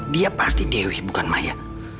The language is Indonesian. dia pasti dewi bukan maya